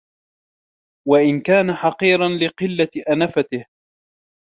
وَإِنْ كَانَ حَقِيرًا لِقِلَّةِ أَنَفَتِهِ